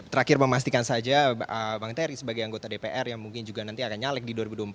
terakhir memastikan saja bang terry sebagai anggota dpr yang mungkin juga nanti akan nyalek di dua ribu dua puluh empat